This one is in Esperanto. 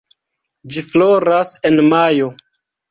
Ĝi floras en majo.